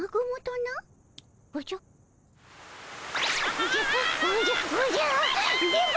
おじゃおじゃおじゃ電ボ！